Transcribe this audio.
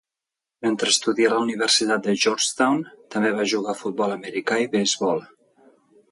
Mentre estudià a la Universitat de Georgetown també va jugar a futbol americà i beisbol.